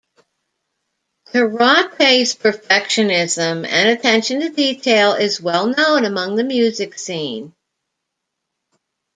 Karate's perfectionism and attention to detail is well known among the music scene.